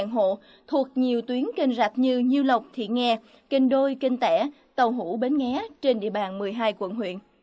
hộ thuộc nhiều tuyến kênh rạch như như lộc thị nghè kênh đôi kênh tẻ tàu hũ bến nghé trên địa bàn một mươi hai quận huyện